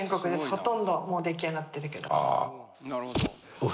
ほとんどもう出来上がってるけど。